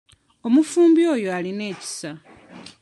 Omufumbi oyo alina ekisa.